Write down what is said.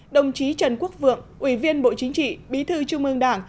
đồng chí trần quốc vượng ủy viên bộ chính trị bí thư trung ương đảng